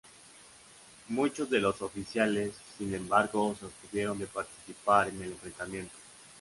Muchos de los oficiales, sin embargo, se abstuvieron de participar en el enfrentamiento.